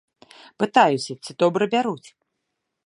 Пытаюся, ці добра бяруць?